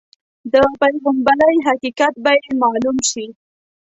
د پیغمبرۍ حقیقت به یې معلوم شي.